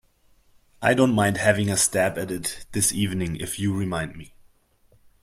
I don't mind having a stab at it this evening if you remind me.